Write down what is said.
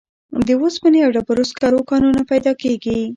د اوسپنې او ډبرو سکرو کانونه پیدا کیږي.